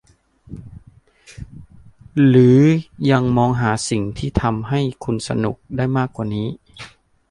หรือยังมองหาสิ่งที่จะทำให้คุณสนุกได้มากกว่านี้